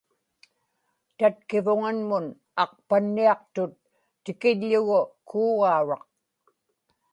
tatkivuŋanmun aqpanniaqtut tikiḷḷugu kuugauraq